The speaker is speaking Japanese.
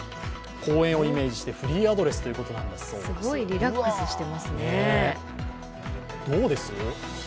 公演をイメージして、フリーアドレスということなんだそうです。